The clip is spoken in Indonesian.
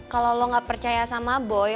kalau lo gak percaya sama boy